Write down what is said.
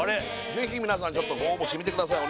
ぜひみなさんちょっとご応募してみてください